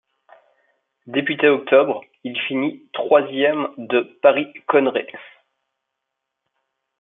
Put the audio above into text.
Début octobre, il finit troisième de Paris-Connerré.